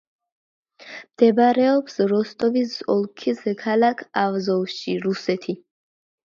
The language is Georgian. მდებარეობს როსტოვის ოლქის ქალაქ აზოვში, რუსეთი.